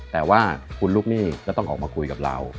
แต่ว่าคุณลูกหนี้ก็ต้องออกมาคุยกับเรา